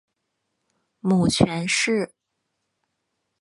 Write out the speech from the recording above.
母权氏。